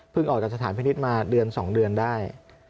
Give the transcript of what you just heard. ออกจากสถานพินิษฐ์มาเดือน๒เดือนได้